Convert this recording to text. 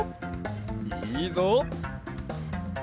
いいぞ！